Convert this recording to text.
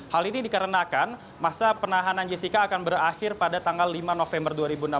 hal ini dikarenakan masa penahanan jessica akan berakhir pada tanggal lima november dua ribu enam belas